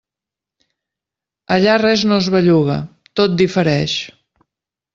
Allà res no es belluga, tot difereix.